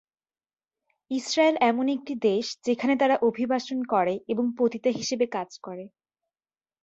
Israel এমন একটি দেশ যেখানে তারা অভিবাসন করে এবং পতিতা হিসেবে কাজ করে।